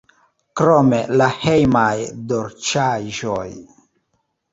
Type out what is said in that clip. Krome la hejmaj dolĉaĵoj.